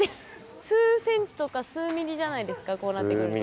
数センチとか数ミリじゃないですかこうなってくると。